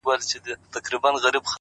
عاجزي د احترام زېرمې زیاتوي.!